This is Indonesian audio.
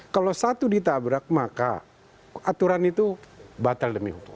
kalau satu ditabrak maka aturan itu batal demi hukum